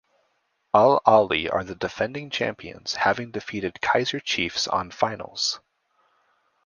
Al Ahly are the defending champions having defeated Kaizer Chiefs on finals.